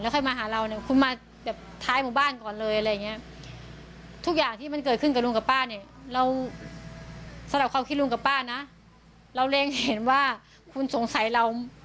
สำหรับความคิดลุงกับป้านะเราเรียกเห็นว่าคุณสงสัยเรา